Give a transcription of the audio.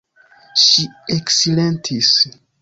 Ŝi eksilentis.